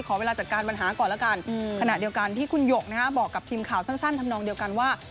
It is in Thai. เวลาจัดการปัญหาก่อนแล้วกันขณะเดียวกันที่คุณหยกบอกกับทีมข่าวสั้นทำนองเดียวกันว่า